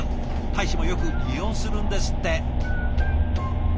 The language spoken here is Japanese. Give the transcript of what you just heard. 大使もよく利用するんですって。